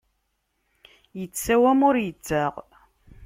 Ittsawam, ur ittaɣ.